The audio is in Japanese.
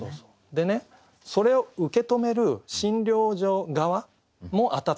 でねそれを受け止める診療所側も温かいなと。